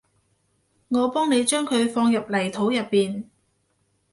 我幫你將佢放入泥土入邊